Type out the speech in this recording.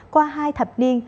qua hai thập niên